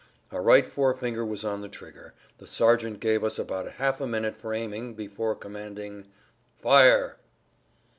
Our right forefinger was on the trigger, the sergeant gave us about half a minute for aiming before commanding, "Fire!"